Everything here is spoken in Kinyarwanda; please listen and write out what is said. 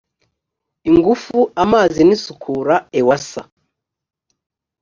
ingufu amazi n isukura ewasa